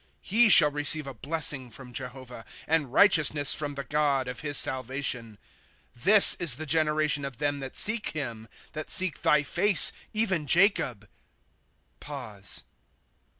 ^ He shall receive a blessing from Jehovah, And righteousness from the God of his salvation. * This is the generation of them that seek him, That seek thy face, even Jacob.